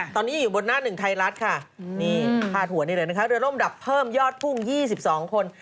ตอนนี้อยู่บนหน้าหนึ่งไทยรัฐค่ะนี่พาดหัวนี่เลยนะคะเรือร่มดับเพิ่มยอดพุ่ง๒๒คน